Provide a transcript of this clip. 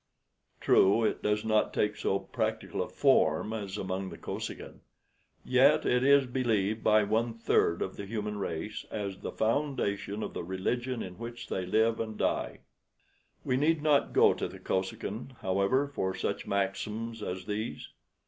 True, it does not take so practical a form as among the Kosekin, yet it is believed by one third of the human race as the foundation of the religion in which they live and die. We need not go to the Kosekin, however, for such maxims as these.